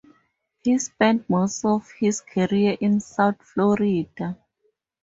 He spent most of his career in South Florida.